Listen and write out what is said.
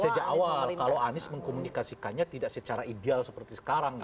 sejak awal kalau anies mengkomunikasikannya tidak secara ideal seperti sekarang